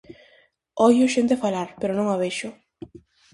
Oio xente falar, pero non a vexo...